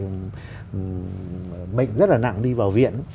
mệnh rất là nặng đi vào viện